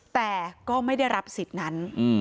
แต่ก็ไม่ได้รับสิทธิ์นั้น